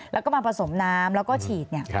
แล้วก็มาผสมน้ำแล้วก็ฉีด